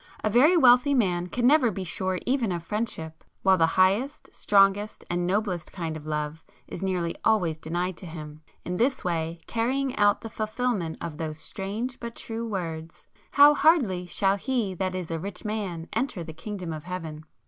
A very wealthy man can never be sure even of friendship,—while the highest, [p 147] strongest and noblest kind of love is nearly always denied to him, in this way carrying out the fulfilment of those strange but true words—"How hardly shall he that is a rich man, enter the Kingdom of Heaven!"